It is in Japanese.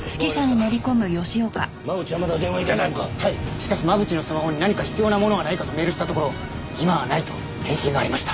しかし真渕のスマホに「何か必要なものはないか？」とメールしたところ「今はない」と返信がありました。